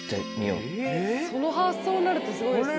その発想になるってすごいですね。